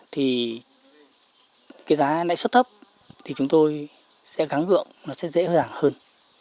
thì cái giá lãi suất thấp thì chúng tôi sẽ gắn gượng nó sẽ dễ dàng hơn